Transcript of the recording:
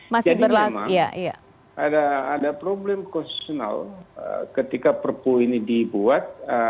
jadi memang ada problem konsesional ketika perpu ini dibuat